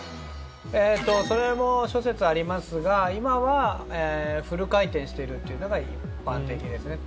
それも諸説ありますが今は、フル回転しているっていうのが一般的ですね。